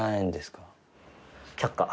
却下。